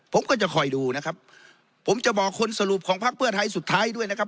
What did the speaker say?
ผมก็จะคอยดูนะครับผมจะบอกคนสรุปของพักเพื่อไทยสุดท้ายด้วยนะครับ